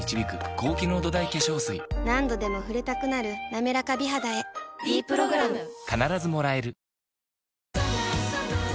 何度でも触れたくなる「なめらか美肌」へ「ｄプログラム」ハロー！